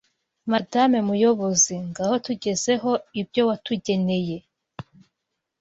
Madame muyobozi ngaho tugezeho ibyo watugeneye